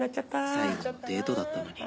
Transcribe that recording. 最後のデートだったのに